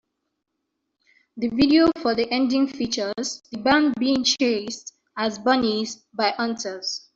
The video for The Ending features the band being chased as bunnies by hunters.